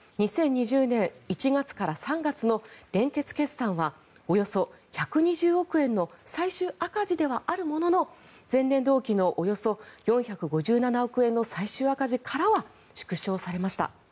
２０２０年１月から３月の連結決算はおよそ１２０億円の最終赤字ではあるものの前年同期のおよそ４５７億円の最終赤字からは縮小されました。